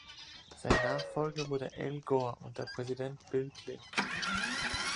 Sein Nachfolger wurde Al Gore unter Präsident Bill Clinton.